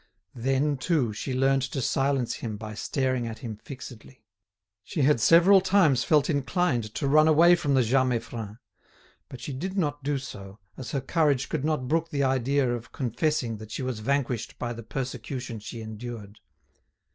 Then, too, she learnt to silence him by staring at him fixedly. She had several times felt inclined to run away from the Jas Meiffren; but she did not do so, as her courage could not brook the idea of confessing that she was vanquished by the persecution she endured.